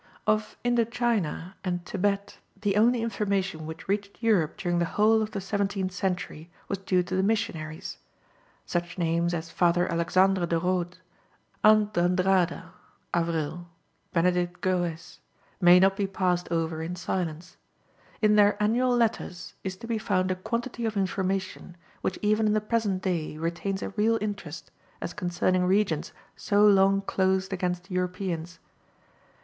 Of Indo China and Thibet the only information which reached Europe during the whole of the seventeenth century was due to the missionaries. Such names as Father Alexandre de Rhodes, Ant. d'Andrada, Avril, Benedict Goes, may not be passed over in silence. In their Annual Letters is to be found a quantity of information, which even in the present day retains a real interest, as concerning regions so long closed against Europeans.